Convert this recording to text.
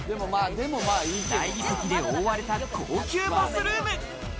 大理石で覆われた高級バスルーム。